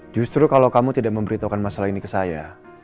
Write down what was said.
justru kalau kamu tidak memberitahukan masalah ini ke saya